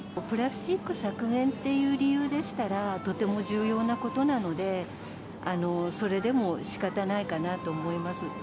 プラスチック削減という理由でしたら、とても重要なことなので、それでも、しかたないかなと思います。